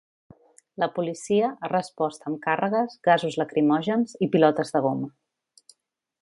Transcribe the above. La policia ha respost amb càrregues, gasos lacrimògens i pilotes de goma.